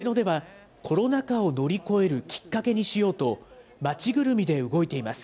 上野ではコロナ禍を乗り越えるきっかけにしようと、街ぐるみで動いています。